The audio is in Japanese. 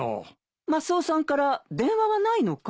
マスオさんから電話はないのかい？